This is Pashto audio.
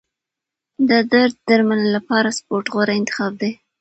د درد درملنې لپاره سپورت غوره انتخاب دی.